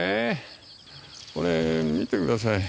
これ見てください。